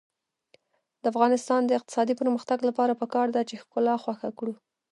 د افغانستان د اقتصادي پرمختګ لپاره پکار ده چې ښکلا خوښه کړو.